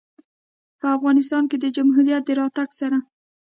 په افغانستان کې د جمهوریت د راتګ سره